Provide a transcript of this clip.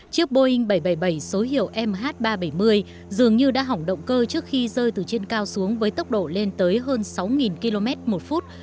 chiếc boeing bảy trăm bảy mươi bảy số hiệu mh ba trăm bảy mươi dường như đã hỏng động cơ trước khi rơi từ trên cao xuống với tốc độ lên tới hơn sáu km một phút